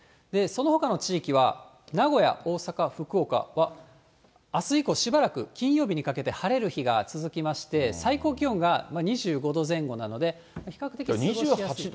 そのほかの地域は、名古屋、大阪、福岡は、あす以降、しばらく金曜日にかけて晴れる日が続きまして、最高気温が２５度前後なので、比較的過ごしやすい。